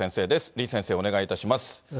李先生、お願いいたします。